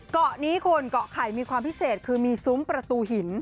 เกาะนี้คุณเกาะไข่มีความพิเศษคือมีซุ้มประตูหิน